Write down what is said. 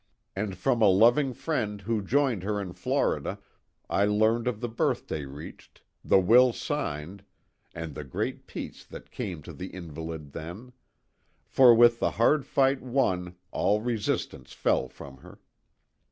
And from a loving friend who joined her in Florida I learned of the birthday reached the will signed and the great peace that came to the invalid then ; for with the hard fight won all restlessness fell from her.